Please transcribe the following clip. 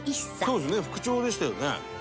「そうですよね副長でしたよね」